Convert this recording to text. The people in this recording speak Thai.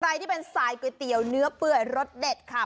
ใครที่เป็นสายก๋วยเตี๋ยวเนื้อเปื่อยรสเด็ดค่ะ